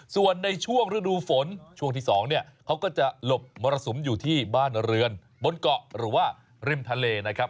ส่วนในช่วงฤดูฝนช่วงที่๒เนี่ยเขาก็จะหลบมรสุมอยู่ที่บ้านเรือนบนเกาะหรือว่าริมทะเลนะครับ